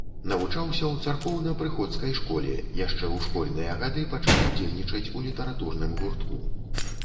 Навучаўся ў царкоўна-прыходскай школе, яшчэ ў школьныя гады пачаў удзельнічаць у літаратурным гуртку.